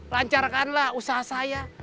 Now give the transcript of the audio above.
lancarkanlah usaha saya